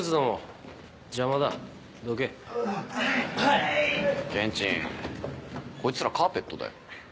ケンチンこいつらカーペットだよ。